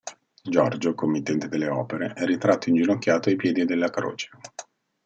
Giorgio, committente delle opere, è ritratto inginocchiato ai piedi della croce.